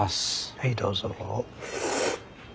はいどうぞ。